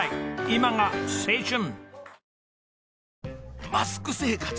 今が青春！